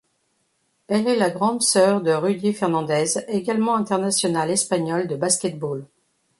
Elle est la grande sœur de Rudy Fernández, également international espagnol de basket-ball.